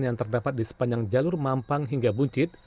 yang terdapat di sepanjang jalur mampang hingga buncit